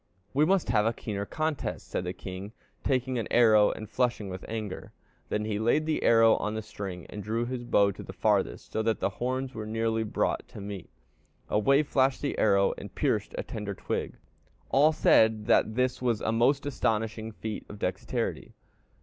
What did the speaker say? "'We must have a keener contest,' said the king, taking an arrow and flushing with anger; then he laid the arrow on the string and drew his bow to the farthest, so that the horns were nearly brought to meet. Away flashed the arrow, and pierced a tender twig. All said that this was a most astonishing feat of dexterity.